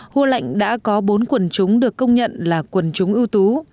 hua lạnh đã có bốn quần chúng được công nhận là quần chúng ưu tú